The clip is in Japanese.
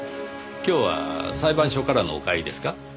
今日は裁判所からの帰りですか？